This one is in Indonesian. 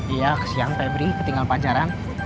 iya kesian febri ketinggalan pajaran